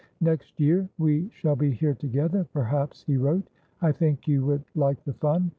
' Next year we shall be here together, perhaps,' he wrote. ' I think you would like the fun.